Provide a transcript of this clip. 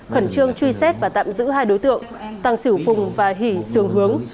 khẩn trương truy xét và tạm giữ hai đối tượng tăng sửu phùng và hỷ sường hướng